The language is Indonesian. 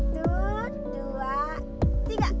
satu dua tiga